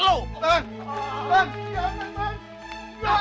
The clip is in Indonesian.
bang jangan bang